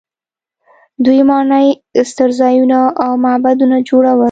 دوی ماڼۍ، ستر ځایونه او معبدونه جوړول.